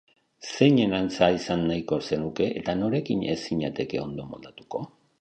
Zeinen antza izan nahiko zenuke eta norekin ez zinateke ondo moldatuko?